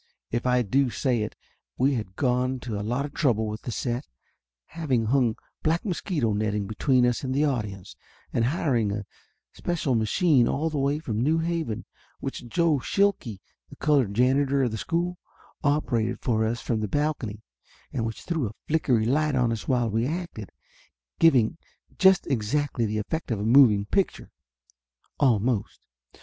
If I do say it we had gone to a lot of trouble with the set, having hung black mosquito netting between us and the audience, and hiring a special machine all the way from New Haven, which Joe Shilke, the colored janitor of the school, operated for us from the balcony and which threw a flickery light on us while we acted, giving just exactly the effect of a moving picture almost.